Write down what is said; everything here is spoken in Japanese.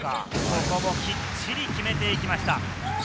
ここもきっちり決めていきました。